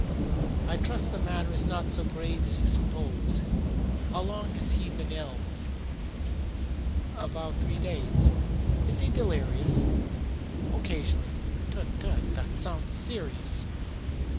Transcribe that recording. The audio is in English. "I trust the matter is not so grave as you suppose. How long has he been ill?" "About three days." "Is he delirious?" "Occasionally." "Tut, tut! This sounds serious.